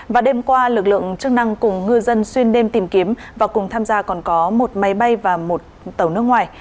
và đêm qua lực lượng chức năng cùng ngư dân xuyên đêm tìm kiếm và cùng tham gia còn có một máy bay và một tàu nước ngoài